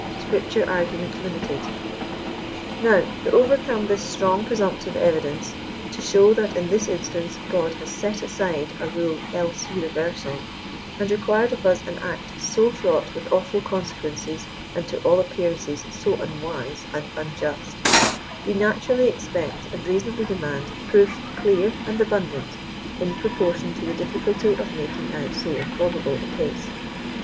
SCRIPTURE ARGUMENT LIMITED." Now, to overcome this strong presumptive evidence ; to show that in this instance God has set aside a rule else universal, and required of us an act so fraught with awful consequences, and to all appearance so unwise and unjust, we naturally expect and reasonably demand proof clear and abundant in proportion to 183 the difficulty of making out so improbable a case.